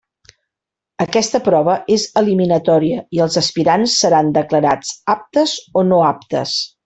Aquesta prova és eliminatòria i els aspirants seran declarats aptes o no aptes.